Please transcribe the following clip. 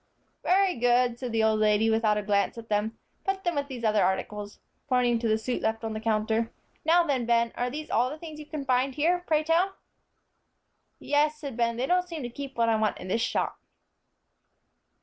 "Very good," said the old lady, without a glance at them. "Put them with these other articles," pointing to the suit left on the counter. "Now, then, Ben, are these all the things you can find here, pray tell?" "Yes," said Ben, "they don't seem to keep what I want in this shop."